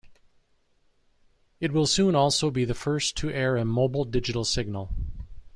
It will soon also be the first to air a mobile digital signal.